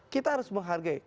kita harus menghargai